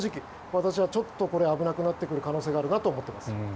私はちょっと危なくなってくる可能性があるなと思っています。